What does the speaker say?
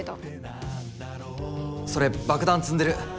それ爆弾積んでる。